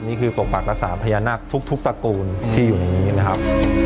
นี่คือปกปักรักษาพญานาคทุกตระกูลที่อยู่ในนี้นะครับ